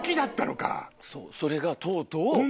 そうそれがとうとう。